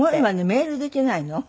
メールできないの？